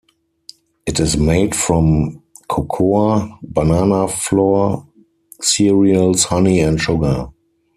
It is made from cocoa, banana flour, cereals, honey and sugar.